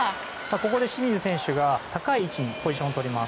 ここで清水選手が高い位置にポジションをとります。